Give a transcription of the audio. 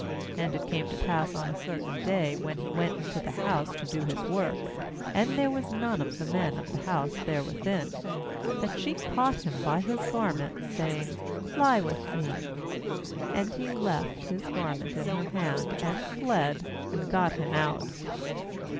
uAnd it came to pass on a certain day, when he went into the house to .do his work, and there was none of the men of the house there within, ^that she caught him by his garment, saying: 'Lie with me.' And he left his gar ment in her hand, and fled, and got him out.